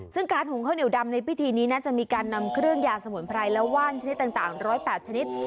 ซึ่งการหุงข้าวเหนียวดำในพิธีนี้นะจะมีการนำเครื่องยาสมุนไพรและว่านชนิดต่าง๑๐๘ชนิด